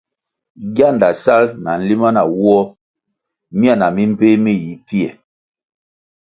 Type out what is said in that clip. Gianda sal na nlima nawoh miana mi mbpéh mi yi pfie.